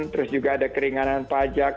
terus juga ada keringanan pajak